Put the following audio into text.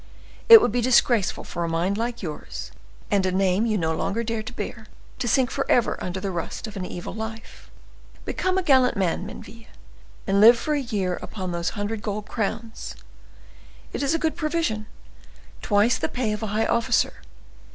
"It would be disgraceful for a mind like yours, and a name you no longer dare to bear, to sink forever under the rust of an evil life. Become a gallant man, Menneville, and live for a year upon those hundred gold crowns: it is a good provision; twice the pay of a high officer.